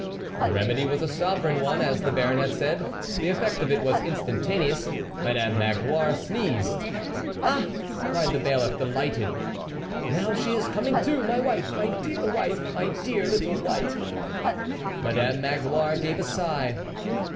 The remedy was a sovereign one, as the Baron had said ; the effect of it was instantaneous ; Madame Magloire sneezed. "Ah!" cried the bailiff delightedly, " now she is coming to ! my wife ! my dear wife ! my dear little wife !" Madame Magloire gave a sigh.